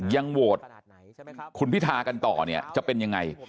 ยังโหวตคุณพิทากันต่อเนี่ยจะเป็นยังไง